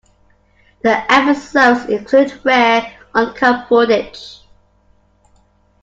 The episodes include rare uncut footage.